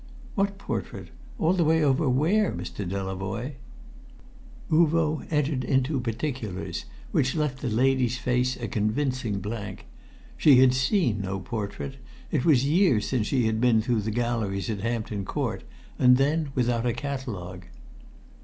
"What portrait? All the way over where, Mr. Delavoye?" Uvo entered into particulars which left the lady's face a convincing blank. She had seen no portrait; it was years since she had been through the galleries at Hampton Court, and then without a catalogue.